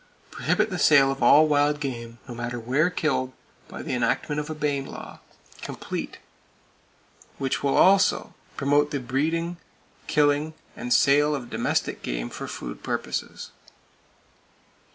Prohibit the sale of all wild game, no matter where killed, by the enactment of a Bayne law, complete, which will also Promote the breeding, killing and sale of domestic game for food purposes.